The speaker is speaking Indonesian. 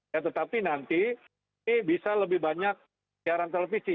ya tetapi nanti ini bisa lebih banyak siaran televisi